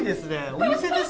お店です。